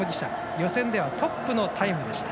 予選ではトップのタイム。